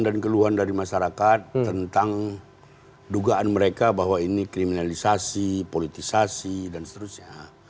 keluhan dari masyarakat tentang dugaan mereka bahwa ini kriminalisasi politisasi dan seterusnya